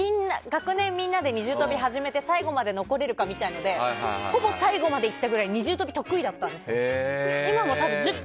学年みんなで小学生の時最後まで残れるかみたいなのでほぼ最後まで行ったぐらい二重跳び得意だったんです。